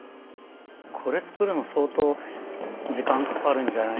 これ作るの相当時間かかるんじゃない？